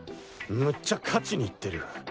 むっちゃ勝ちに行ってる。